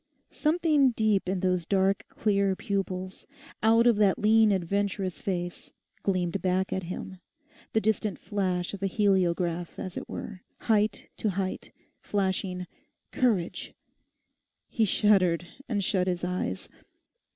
Something deep in those dark clear pupils, out of that lean adventurous face, gleamed back at him, the distant flash of a heliograph, as it were, height to height, flashing 'Courage!' He shuddered, and shut his eyes.